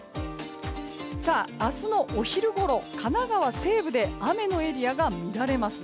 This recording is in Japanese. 明日のお昼ごろ、神奈川西部で雨のエリアが見られます。